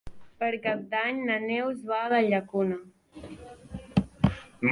Per Cap d'Any na Neus va a la Llacuna.